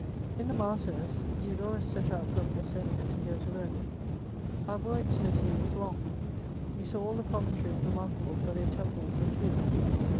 In the MartyrSy Endorus set out from Messenia to go to Biome. *^ Our voyage," says he, ^* was long ; we saw all die promontories remarkable for their temples or tombs.